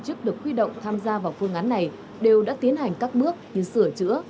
các doanh nghiệp khuy động tham gia vào phương án này đều đã tiến hành các bước như sửa chữa